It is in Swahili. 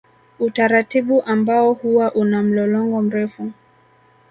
Utaratibu ambao huwa una mlolongo mrefu